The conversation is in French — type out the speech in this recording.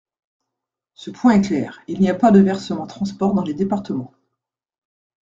Ce point est clair, il n’y a pas de versement transport dans les départements.